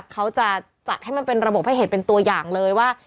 เขาจะจัดให้มันเป็นระบบให้เห็นเป็นตัวอย่างเลยว่า